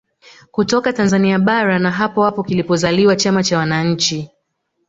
Kutoka Tanzania bara na hapo hapo kilipozaliwa chama cha wananchi